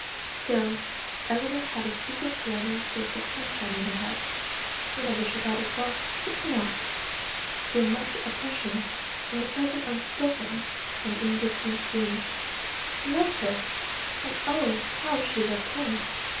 Still Ellinor had a secret perennial source of sunshine in her heart; whenever she thought of Ralph she could not feel much oppression from the present unspoken and indistinct gloom. He loved her; and oh, how she loved him!